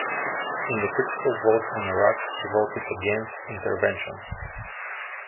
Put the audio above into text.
In the critical votes on Iraq, he voted against intervention.